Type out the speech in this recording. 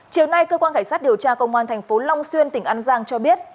chiều nay cơ quan cảnh sát điều tra công an thành phố long xuyên tỉnh an giang cho biết